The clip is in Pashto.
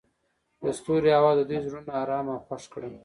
د ستوري اواز د دوی زړونه ارامه او خوښ کړل.